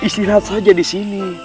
sehat saja disini